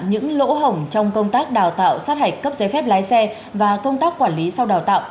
những lỗ hỏng trong công tác đào tạo sát hạch cấp giấy phép lái xe và công tác quản lý sau đào tạo